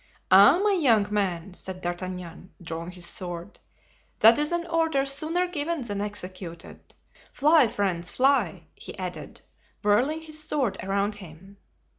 "Ah! my young man," said D'Artagnan, drawing his sword, "that is an order sooner given than executed. Fly, friends, fly!" he added, whirling his sword around him.